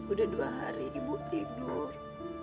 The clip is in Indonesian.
udah dua hari ibu tidur